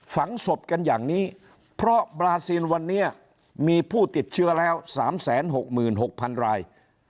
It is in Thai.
ฝังศพกันอย่างนี้เพราะบราซินวันนี้มีผู้ติดเชื้อแล้ว๓๖๖๐๐๐ราย